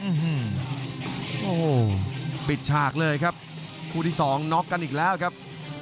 โอ้โหปิดฉากเลยครับคู่ที่สองน็อกกันอีกแล้วครับ